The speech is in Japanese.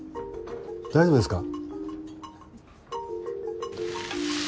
大丈夫ですか？